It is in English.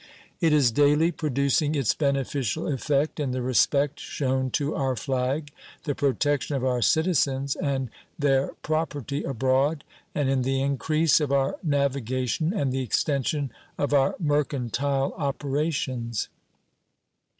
It is daily producing its beneficial effect in the respect shown to our flag, the protection of our citizens and their property abroad, and in the increase of our navigation and the extension of our mercantile operations.